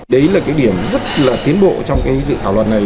đấy là cái điểm rất là tiến bộ trong cái dự thảo luật này